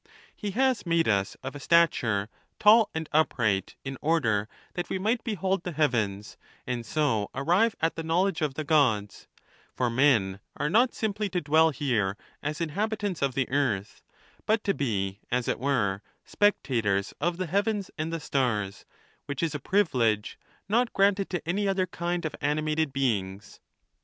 He has made us of a stature tall and up right, in order that we might behold the heavens, and so arrive at the knowledge of the Gods; for men are not simply to dwell here as inhabitants of the earth, but to be, as it were, spectators of the heavens and the stars, which is a privilege not granted to any other kind of animated beings.